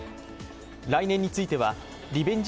来年については、リベンジ